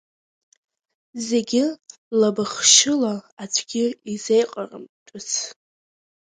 Зегьы лабахшьыла аӡәгьы изеиҟарамтәыц.